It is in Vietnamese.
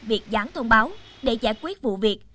việc dán thông báo để giải quyết vụ việc